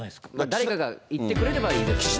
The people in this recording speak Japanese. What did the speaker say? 誰かが言ってくれればいいですけどね。